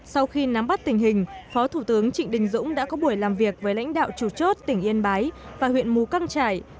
sau khi nắm bắt tình hình phó thủ tướng trịnh đình dũng đã có buổi làm việc với lãnh đạo chủ chốt tỉnh yên bái và huyện mù căng trải